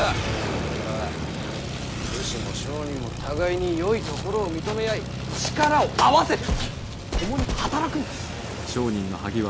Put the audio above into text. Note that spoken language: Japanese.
これからは武士も商人も互いによいところを認め合い力を合わせて共に働くんです。